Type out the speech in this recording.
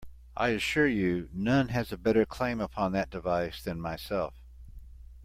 I assure you, none has a better claim upon that device than myself.